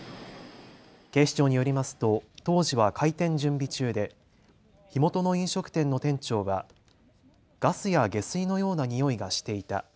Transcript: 警視庁によりますと当時は開店準備中で火元の飲食店の店長はガスや下水のようなにおいがしていた。